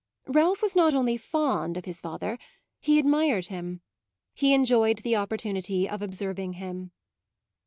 Ralph was not only fond of his father, he admired him he enjoyed the opportunity of observing him.